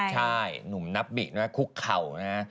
ใช่หนุ่มนับบินะคุกเข่านะฮะ